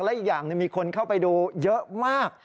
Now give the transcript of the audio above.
และอีกอย่างมีคนเข้าไปดูเยอะมาก